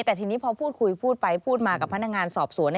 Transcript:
แต่ทีนี้พอพูดคุยพูดไปพูดมากับพนักงานสอบสวน